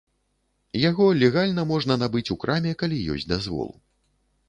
Яго легальна можна набыць у краме, калі ёсць дазвол.